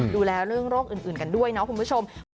ดูแลเรื่องโรคอื่นกันด้วยนะคุณผู้ชม